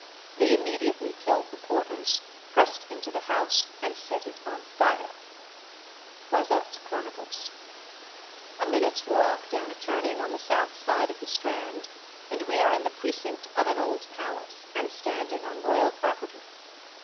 They immediately killed the porters, pressed into the house, and set it on fire." Froissart's Chronicles. A minute's walk down a turning on the south side of the Strand, and we are in the precinct of an old palace, and standing on royal property.